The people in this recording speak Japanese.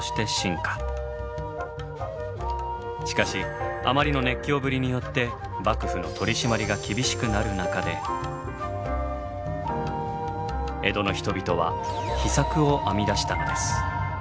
しかしあまりの熱狂ぶりによって幕府の取締りが厳しくなる中で江戸の人々は秘策を編み出したのです。